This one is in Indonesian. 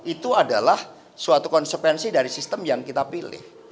itu adalah suatu konsekuensi dari sistem yang kita pilih